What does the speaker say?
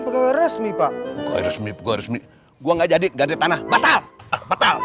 tersenyum pak resmi resmi gua resmi gua nggak jadi gajet tanah batal batal